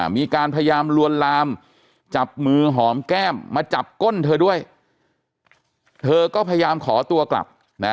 มีการพยายามลวนลามจับมือหอมแก้มมาจับก้นเธอด้วยเธอก็พยายามขอตัวกลับนะ